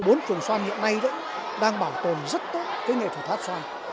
bốn trường xoan hiện nay đang bảo tồn rất tốt cái nghệ thuật hát xoan